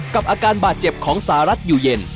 อาการบาดเจ็บของสหรัฐอยู่เย็น